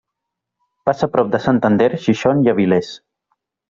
Passa prop de Santander, Gijón i Avilés.